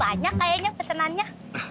banyak kayaknya pesenannya